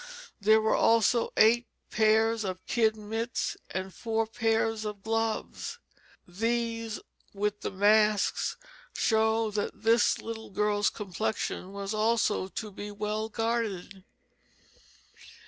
There were also eight pairs of kid mitts and four pairs of gloves; these with the masks show that this little girl's complexion was also to be well guarded.